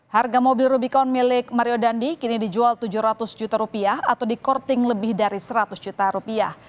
harga mobil rubicon milik mario dandi kini dijual tujuh ratus juta rupiah atau di courting lebih dari seratus juta rupiah